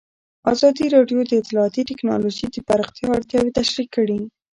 ازادي راډیو د اطلاعاتی تکنالوژي د پراختیا اړتیاوې تشریح کړي.